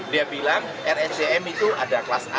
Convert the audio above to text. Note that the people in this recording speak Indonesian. dia bilang rsjm itu ada kelas a